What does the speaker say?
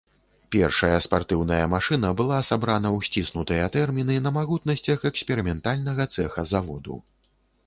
Першая спартыўная машына была сабрана ў сціснутыя тэрміны на магутнасцях эксперыментальнага цэха заводу.